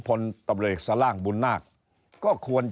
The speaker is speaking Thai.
พลตำรวจสล่างบุญนาค